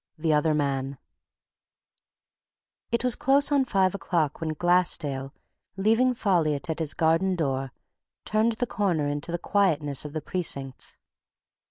THE OTHER MAN It was close on five o'clock when Glassdale, leaving Folliot at his garden door, turned the corner into the quietness of the Precincts.